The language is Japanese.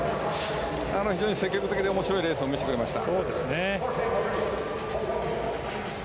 非常に積極的で面白いレースを見せてくれました。